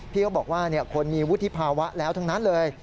เขาบอกว่าคนมีวุฒิภาวะแล้วทั้งนั้นเลย